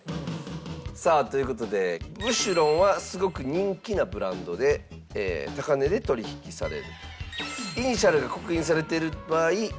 さあという事でブシュロンはすごく人気なブランドで高値で取引される。